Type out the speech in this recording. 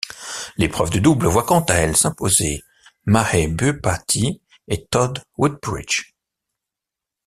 L'épreuve de double voit quant à elle s'imposer Mahesh Bhupathi et Todd Woodbridge.